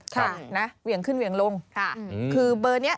ค่ะนะเหวี่ยงขึ้นเหวี่ยงลงค่ะคือเบอร์เนี้ย